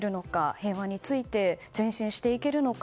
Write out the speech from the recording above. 平和について前進していけるのか。